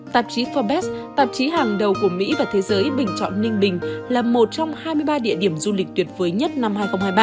tạp chí forbes tạp chí hàng đầu của mỹ và thế giới bình chọn ninh bình là một trong hai mươi ba địa điểm du lịch tuyệt vời nhất năm hai nghìn hai mươi ba